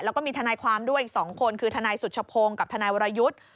แล้วก็มีทนายความด้วยอีก๒คนคือทนายสุชพงศ์กับทนายวรยุทธ์